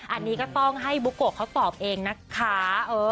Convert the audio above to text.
อันนี้ก็ต้องให้บุโกะเขาตอบเองนะคะ